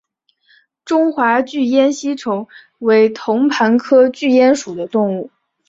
中华巨咽吸虫为同盘科巨咽属的动物。